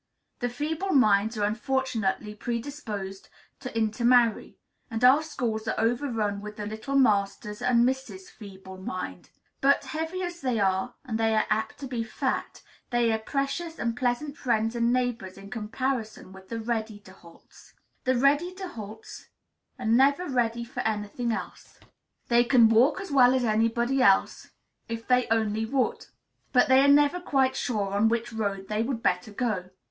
The Feeble Minds are unfortunately predisposed to intermarry; and our schools are overrun with the little Masters and Misses Feeble Mind. But, heavy as they are (and they are apt to be fat), they are precious and pleasant friends and neighbors in comparison with the Ready to Halts. The Ready to Halts are never ready for any thing else. They can walk as well as anybody else, if they only would; but they are never quite sure on which road they would better go.